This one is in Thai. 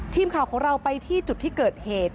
ทีมข่าวของเราไปที่จุดที่เกิดเหตุ